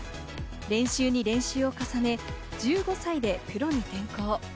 練習に練習を重ね、１５歳でプロに転向。